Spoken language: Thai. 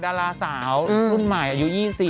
ดาราสาวรุ่นใหม่อายุ๒๐